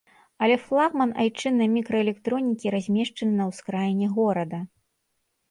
Але флагман айчыннай мікраэлектронікі размешчаны на ўскраіне горада.